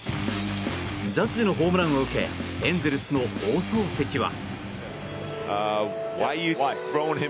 ジャッジのホームランを受けエンゼルスの放送席は。